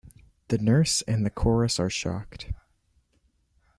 The nurse and the chorus are shocked.